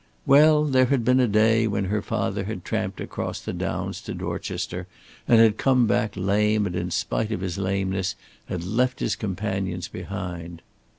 Well, there had been a day when her father had tramped across the downs to Dorchester and had come back lame and in spite of his lameness had left his companions behind.